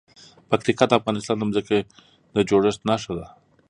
پکتیکا د افغانستان د ځمکې د جوړښت نښه ده.